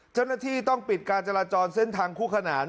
เจ้าหน้าที่ต้องปิดการจราจรเส้นทางคู่ขนาน